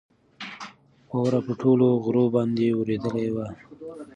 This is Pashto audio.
واوره په ټولو غرو باندې ورېدلې وه.